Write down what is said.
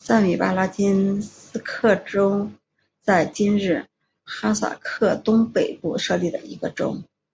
塞米巴拉金斯克州在今日哈萨克东北部设立的一个州。